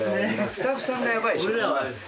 スタッフさんがやばいでしょ。